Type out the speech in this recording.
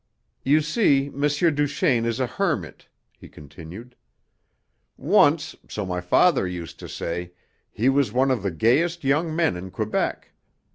"You see, M. Duchaine is a hermit," he continued. "Once, so my father used to say, he was one of the gayest young men in Quebec.